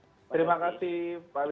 terima kasih pak benny